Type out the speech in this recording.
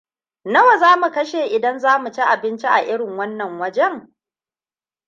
Nawa za mu kashe idan za mu ci abinci a irin wajen nan?